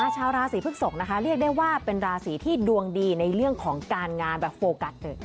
ชาวราศีพฤกษกนะคะเรียกได้ว่าเป็นราศีที่ดวงดีในเรื่องของการงานแบบโฟกัสเลย